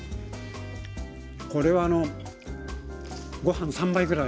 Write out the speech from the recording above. これはごはん３杯ぐらい。